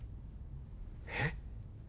えっ？